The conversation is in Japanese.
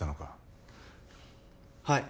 はい。